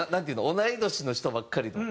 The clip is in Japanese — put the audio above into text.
同い年の人ばっかりの。